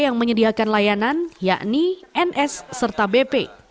yang menyediakan layanan yakni ns serta bp